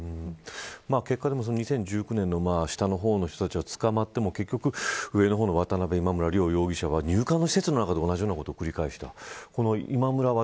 結果、２０１９年の下の方の人たちが捕まっても結局、上の方の渡辺、今村、両容疑者は入管の施設の中で同じようなことを繰り返した。